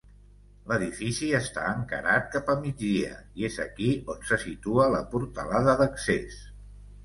L'edifici està encarat cap a migdia i és aquí on se situa la portalada d'accés.